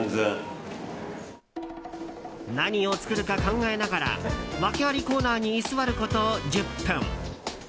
何を作るか考えながらワケありコーナーに居座ること１０分。